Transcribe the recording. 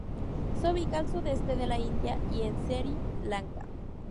Se ubica al sudeste de la India y en Sri Lanka.